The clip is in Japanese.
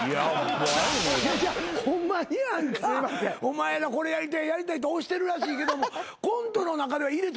ホンマにお前らこれやりたいやりたいって推してるらしいけどもコントの中では入れたのかい？